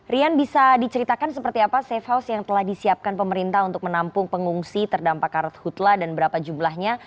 rian bisa diceritakan seperti apa safe house yang telah disiapkan pemerintah untuk menampung pengungsi terdampak karet hutlah dan berapa jumlahnya